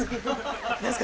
何すか？